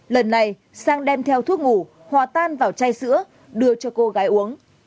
lần này sang đem theo thuốc ngủ hòa tan vào chai sữa đưa cho cô gái uống